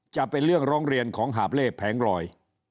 จะเป็นเรื่องร้องเรียนของหาบเล่แผงลอย